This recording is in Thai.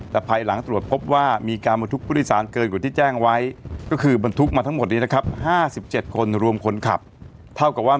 แต่ภายหลังตรวจพบว่ามีการบรรทุกข์ผู้โดยสารเกินกว่าที่แจ้งไว้